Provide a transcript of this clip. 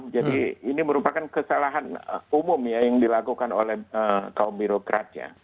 jadi ini merupakan kesalahan umum yang dilakukan oleh kaum birokrat ya